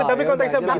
tapi konteksnya berarti